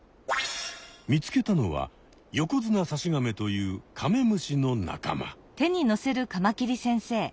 見つけたのはヨコヅナサシガメというカメムシの仲間。